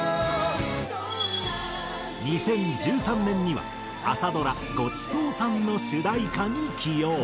２０１３年には朝ドラ『ごちそうさん』の主題歌に起用。